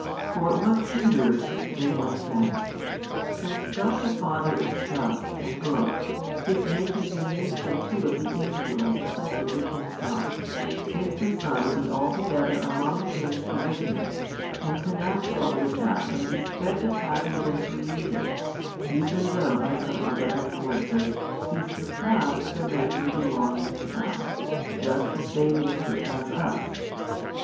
For what hinders (may one say) since God the Father is just and good, His making the nature too of the angels assessor with Himself, if the Son be altogether among things originate, and con natural with them in respect of having been created, even though by some other excellences He surpass the measure belonging to them, just as they may surpass us.